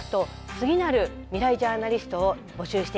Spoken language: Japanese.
次なるみらいジャーナリストを募集しています。